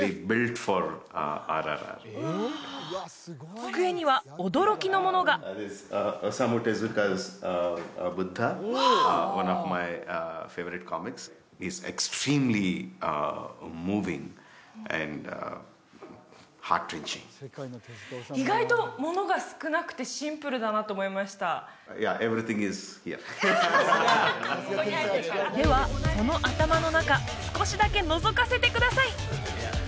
机には驚きのものが意外とものが少なくてシンプルだなって思いましたではその頭の中少しだけのぞかせてください